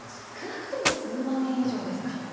少なくとも数万円以上ですか。